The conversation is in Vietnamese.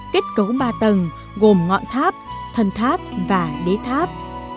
kết cấu ba tầng gồm ngọn tháp thân tháp và đế tháp